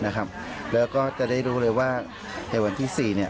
แล้วก็จะได้รู้เลยว่าในวันที่๔